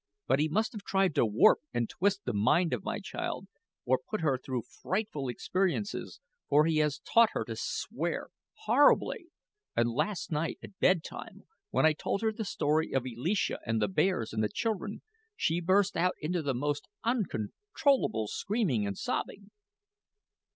And he must have tried to warp and twist the mind of my child, or put her through frightful experiences; for he has taught her to swear horribly and last night at bedtime, when I told her the story of Elisha and the bears and the children, she burst out into the most uncontrollable screaming and sobbing."